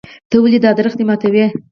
ته ولې دا درخت ماتوې.